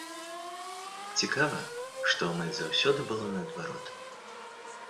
Цікава, што амаль заўсёды было наадварот!